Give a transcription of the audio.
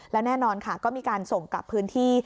แล้วแน่นอนค่ะก็มีการส่งกลับพื้นที่